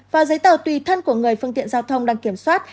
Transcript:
và giấy tờ tùy thân của người phương tiện giao thông đang kiểm soát